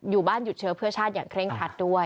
อยู่บ้านหยุดเชื้อเพื่อชาติอย่างเคร่งครัดด้วย